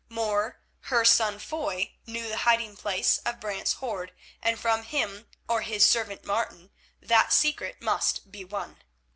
More, her son Foy knew the hiding place of Brant's hoard, and from him or his servant Martin that secret must be won.